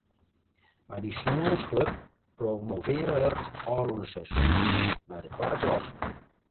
Mei dy saterdeisklup promovearre er it ôfrûne seizoen nei de twadde klasse.